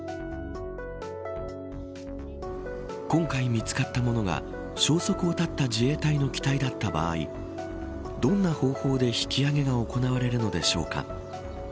今回、見つかったものが消息を絶った自衛隊の機体だった場合どんな方法で引き揚げが行われるのでしょうか。